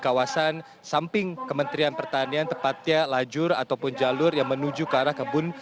kawasan samping kementerian pertanian tepatnya lajur ataupun jalur yang menuju ke arah kebun